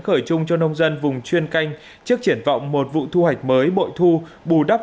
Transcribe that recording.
khởi chung cho nông dân vùng chuyên canh trước triển vọng một vụ thu hoạch mới bội thu bù đắp